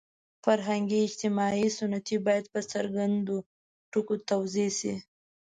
فرهنګي – اجتماعي ستنې باید په څرګندو ټکو توضیح شي.